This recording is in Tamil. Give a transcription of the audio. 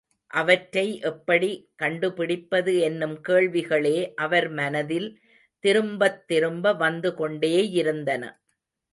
அவற்றை எப்படி கண்டுபிடிப்பது என்னும் கேள்விகளே அவர் மனதில் திரும்பத் திரும்ப வந்து கொண்டேயிருந்தன.